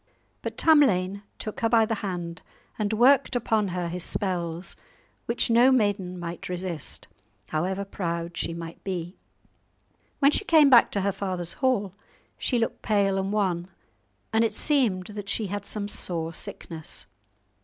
'" But Tamlane took her by the hand and worked upon her his spells, which no maiden might resist, however proud she might be. When she came back to her father's hall, she looked pale and wan; and it seemed that she had some sore sickness.